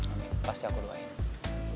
amin pasti aku doain